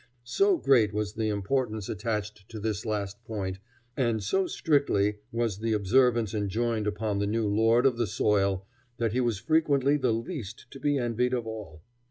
So great was the importance attached to this last point, and so strictly was its observance enjoined upon the new lord of the soil, that he was frequently the least to be envied of all.